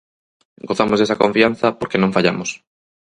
Gozamos desa confianza porque non fallamos.